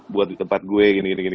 buat di tempat gue gini gini